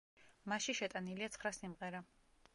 მასში შეტანილია ცხრა სიმღერა.